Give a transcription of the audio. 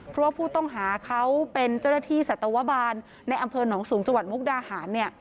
เพราะว่าผู้ต้องหาเขาเป็นเจ้าหน้าที่สัตวบาลในอำเภอหนองสูงจังหวัดมุกดาหารเนี่ย